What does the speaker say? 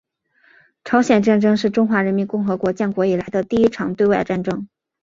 朝鲜战争是中华人民共和国建国以来的第一场对外战争。